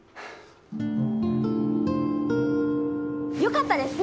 よかったですね